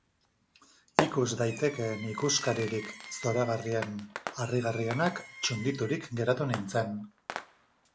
Ikus daitekeen ikuskaririk zoragarrien, harrigarrienak txunditurik geratu nintzen.